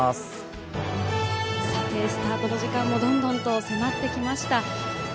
スタートの時間もどんどんと迫ってきました。